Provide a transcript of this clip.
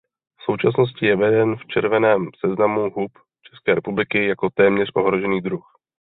V současnosti je veden v červeném seznamu hub České republiky jako téměř ohrožený druh.